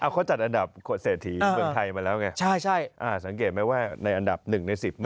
เขาจัดอันดับเศรษฐีเมืองไทยมาแล้วไงสังเกตไหมว่าในอันดับ๑ใน๑๐